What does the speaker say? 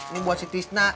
ini buat si tisna